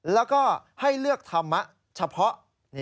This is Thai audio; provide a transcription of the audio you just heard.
แล้วก็ให้เลือกธรรมะเฉพาะ